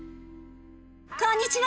こんにちは！